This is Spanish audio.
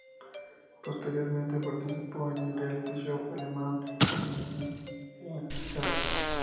Posteriormente participó en el "reality show" alemán "Ich bin ein Star.